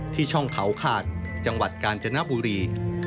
ช่องเขาขาดจังหวัดกาญจนบุรี